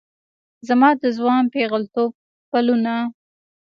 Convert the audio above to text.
زما د ځوان پیغلتوب پلونه